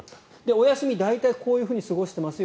お休み、大体こういうふうに過ごしていますよ